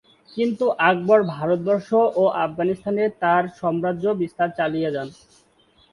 কিন্তু আকবর ভারতবর্ষ ও আফগানিস্তানে তার সাম্রাজ্য বিস্তার চালিয়ে যান।